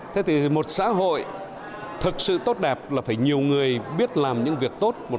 thế thì một xã hội thực sự tốt đẹp là phải nhiều người biết làm những việc tốt